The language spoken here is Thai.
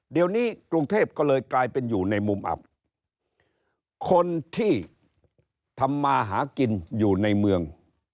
เดี๋ยวนี้กรุงเทพก็เลยกลายเป็นอยู่ในมุมอับคนที่ทำมาหากินอยู่ในเมือง